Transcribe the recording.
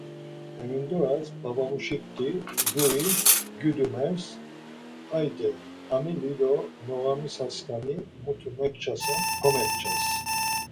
Hemindoras babamuşikti guri gyudumels; hayde amili do noğamisaskani mutu mekçasen komekças.